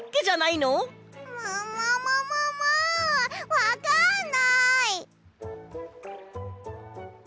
わかんない！